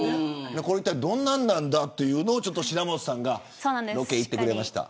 これが一体どんなんなんだというのを白本さんがロケ行ってくれました。